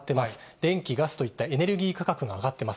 電気、ガスといったエネルギー価格が上がってます。